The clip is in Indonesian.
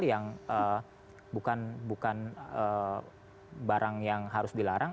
urbanisasi ini sesuatu hal yang bukan barang yang harus dilarang